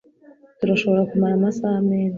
Turashobora kumara amasaha menshi .